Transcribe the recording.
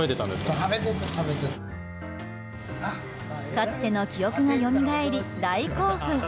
かつての記憶がよみがえり大興奮。